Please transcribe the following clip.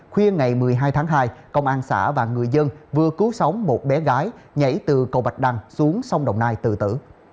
khuya ngày một mươi hai tháng hai công an xã và người dân vừa cứu sống một bé gái nhảy từ cầu bạch đăng xuống sông đồng nai tử tử